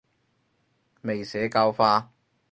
未社教化